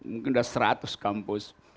mungkin sudah seratus kampus